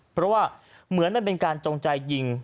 เพราะว่าเหมือนมันเป็นการจงใจยิง